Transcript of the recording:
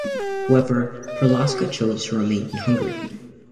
However, Perlasca chose to remain in Hungary.